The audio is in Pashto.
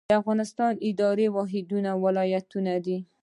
د افغانستان اداري واحدونه ولایتونه دي